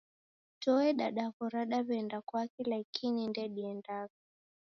Toe dadaghora daw'enda kwake laikini ndediendagha